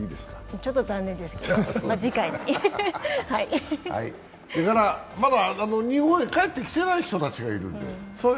ちょっと残念ですけど、次回まだ日本に帰ってきていない人たちがいるんで。